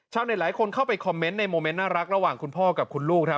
หลายคนเข้าไปคอมเมนต์ในโมเมนต์น่ารักระหว่างคุณพ่อกับคุณลูกครับ